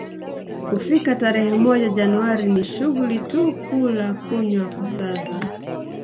kufika tarehe moja Januari ni shughuli tu kula kunywa kusaza